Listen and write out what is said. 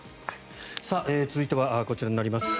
続いてはこちらになります。